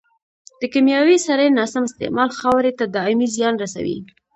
د کيمیاوي سرې ناسم استعمال خاورې ته دائمي زیان رسوي.